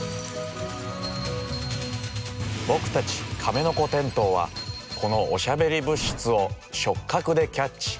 僕たちカメノコテントウはこのおしゃべり物質を触角でキャッチ！